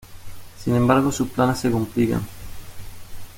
Sin embargo sus planes se complican.